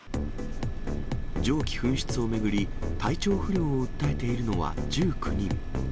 蒸気噴出を巡り、体調不良を訴えているのは１９人。